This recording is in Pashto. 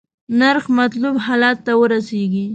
نرخ مطلوب حالت ته ورسیږي.